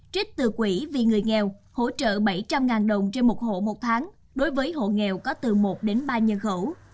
trích từ quỹ vì người nghèo hỗ trợ bảy trăm linh đồng trên một hộ một tháng đối với hộ nghèo có từ một đến ba nhân khẩu